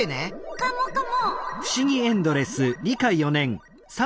カモカモ。